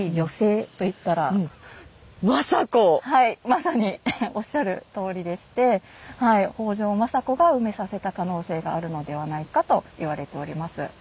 まさにおっしゃるとおりでして北条政子が埋めさせた可能性があるのではないかと言われております。